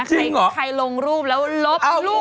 ใครลงรูปแล้วลบรูป